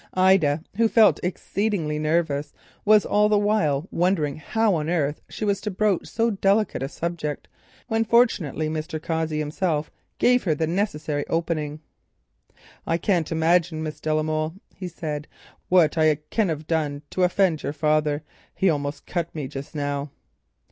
Ida, who felt exceedingly nervous, was all the while wondering how on earth she could broach so delicate a subject, when fortunately Mr. Cossey himself gave her the necessary opening. "I can't imagine, Miss de la Molle," he said, "what I have done to offend your father—he almost cut me just now."